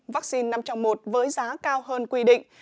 vaccine năm trong một với giá cao hơn quy định